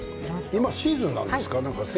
今シーズンなんですか？